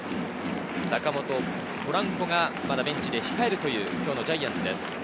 坂本、ポランコがまだベンチで控えるという今日のジャイアンツです。